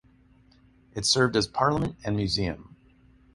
It served as parliament and museum.